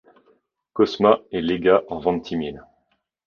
Cosma est légat en Ventimille.